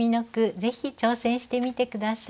ぜひ挑戦してみて下さい。